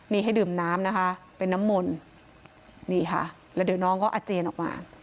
นี่ให้ดื่มน้ำนะคะเป็นน้ำมนต์นี่ค่ะแล้วเดี๋ยวน้องก็อาเจนออกมา